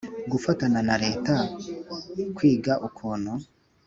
Gufatana na Leta kwiga ukuntu